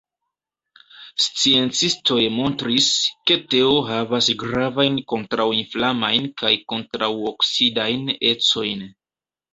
Sciencistoj montris, ke teo havas gravajn kontraŭinflamajn kaj kontraŭoksidajn ecojn.